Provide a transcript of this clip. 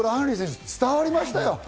り選手、伝わりましたよ。